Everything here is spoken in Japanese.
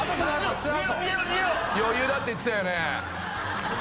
余裕だって言ってたよね？